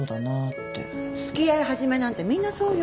付き合い始めなんてみんなそうよ。